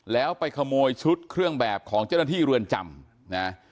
แล้วไปขโมยชุดเครื่องแบบของเจ้าหน้าที่เรือนจำนะ